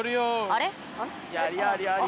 あれ？